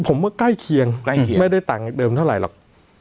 ผมก็ใกล้เคียงไม่ได้ต่างเดิมเท่าไหร่หรอก